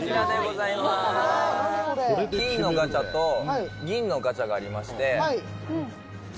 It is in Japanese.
「金のガチャと銀のガチャがありまして」